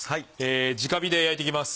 じか火で焼いていきます。